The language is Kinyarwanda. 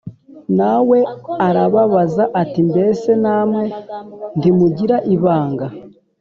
Na we arababaza ati Mbese namwe ntimugira ibanga